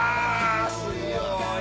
すごい。